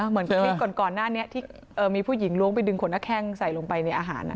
เหมือนคลิปก่อนหน้านี้ที่มีผู้หญิงล้วงไปดึงขนหน้าแข้งใส่ลงไปในอาหาร